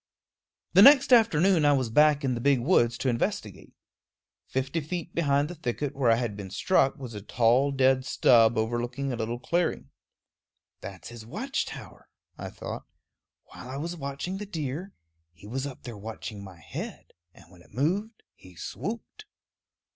The next afternoon I was back in the big woods to investigate. Fifty feet behind the thicket where I had been struck was a tall dead stub overlooking a little clearing. "That's his watch tower," I thought. "While I was watching the deer, he was up there watching my head, and when it moved he swooped."